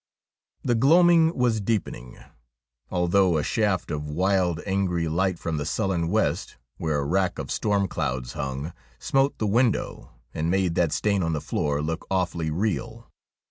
The gloaming was deepening, although a shaft of wild, angry light from the sullen west, where a rack of storm clouds hung, smote the window, and made that stain on the floor look awfully real.